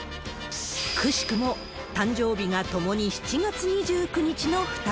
くしくも誕生日がともに７月２９日の２人。